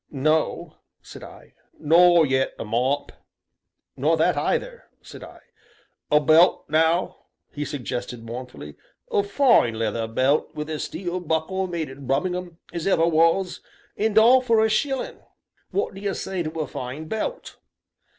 "No," said I. "Nor yet a mop?" "Nor that either," said I. "A belt, now," he suggested mournfully, "a fine leather belt wi' a steel buckle made in Brummagem as ever was, and all for a shillin'; what d'ye say to a fine belt?"